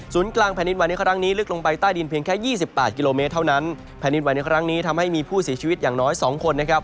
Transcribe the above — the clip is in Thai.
กลางแผ่นดินไหวในครั้งนี้ลึกลงไปใต้ดินเพียงแค่ยี่สิบแปดกิโลเมตรเท่านั้นแผ่นดินไหวในครั้งนี้ทำให้มีผู้เสียชีวิตอย่างน้อยสองคนนะครับ